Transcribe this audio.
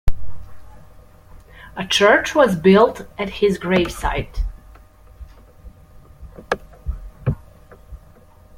A Church was built at his gravesite.